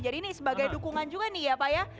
ini sebagai dukungan juga nih ya pak ya